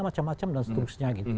macam macam dan seterusnya